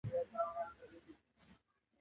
چې ښځه داسې وي. له دې نه ښکاري